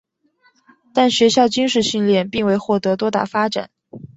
但学校军事训练并未获得多大发展。